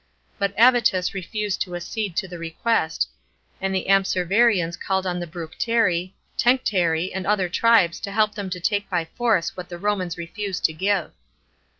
But Avitus refused to accede to the request, and the Ampsivariaus called on the Bructeri, Tencteri, and other tribes to help them to take by force what the Romans refused to give.